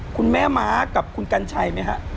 คุณแม่ม้ากับคุณกัญชัยไหมฮะ